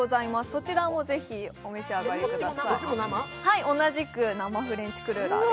そちらもお召し上がりください。